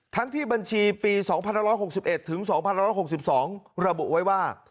ทั้งที่บัญชีปี๒๑๖๑ถึง๒๑๖๒ระบุไว้ว่า